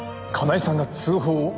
叶絵さんが通報を？